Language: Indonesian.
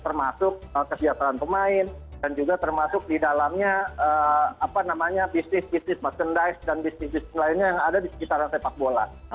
termasuk kesejahteraan pemain dan juga termasuk di dalamnya bisnis bisnis merchandise dan bisnis bisnis lainnya yang ada di sekitaran sepak bola